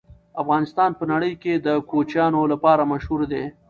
افغانستان په نړۍ کې د کوچیانو لپاره مشهور دی.